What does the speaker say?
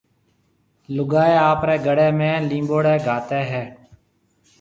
لوگائيَ آپريَ گݪيَ ۾ نيمٻوڙي گھاتيَ ھيَََ